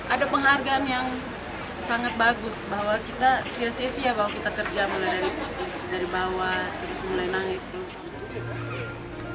ada penghargaan yang sangat bagus bahwa kita siap siap bahwa kita kerja mulai dari bawah terus mulai naik